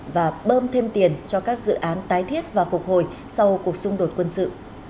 và bơm thêm tiền cho các dự án tái thiết và phục hồi sau cuộc xung đột quân sự